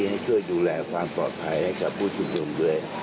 ให้ช่วยดูแลความปลอดภัยให้กับผู้ชุมนุมด้วย